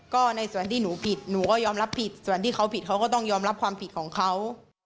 ก็ในส่วนที่หนูผิดหนูก็ยอมรับผิดส่วนที่เขาผิดเขาก็ต้องยอมรับความผิดของเขา